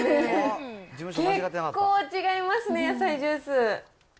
結構違いますね、野菜ジュース。